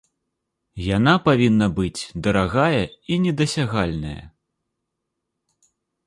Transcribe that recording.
Яна павінна быць дарагая і недасягальная.